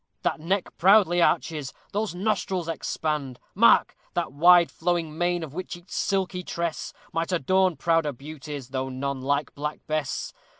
That neck proudly arches, those nostrils expand! Mark! that wide flowing mane! of which each silky tress Might adorn prouder beauties though none like Black Bess.